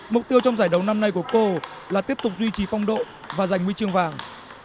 mục tiêu trong giải đấu năm nay của cô là tiếp tục duy trì phong độ và giành huy chương vàng